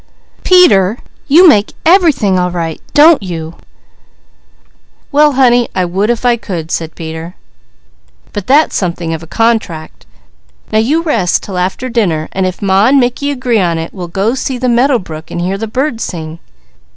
"Peter, you make everything all right, don't you?" "Well honey, I would if I could," said Peter. "But that's something of a contract. Now you rest till after dinner, and if Ma and Mickey agree on it, we'll go see the meadow brook and hear the birds sing."